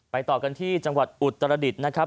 ไปต่อกันที่จังหวัดอุตรฤดนะครับ